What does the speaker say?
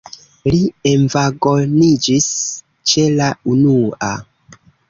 Li envagoniĝis ĉe la unua.